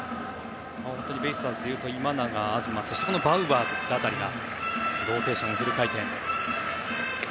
ベイスターズというと今永、東そしてバウアー辺りがローテーション、フル回転。